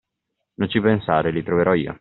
Non ci pensare, li troverò io.